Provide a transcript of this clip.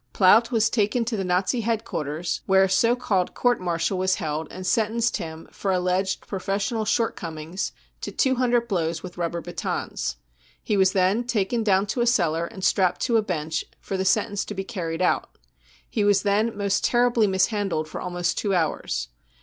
Plant was taken to the Nazi headquarters, where a so called court martial was held and sentenced him, for alleged professional shortcomings, to 200 blows with rubber batons. He wa# then taken down to a cellar and strapped to a bench for the sentence to be carried out. He was then most terribly mishandled for almost two hours.